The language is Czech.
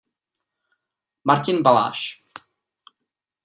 Martin Baláž.